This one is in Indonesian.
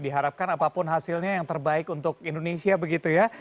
diharapkan apapun hasilnya yang terbaik untuk indonesia begitu ya